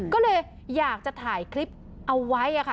ก็เลยอยากจะถ่ายคลิปเอาไว้ค่ะ